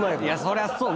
そりゃそう。